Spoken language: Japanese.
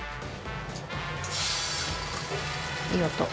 いい音。